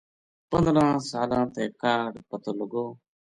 پندرہ سلاں تے کاہڈ پتو لگو۔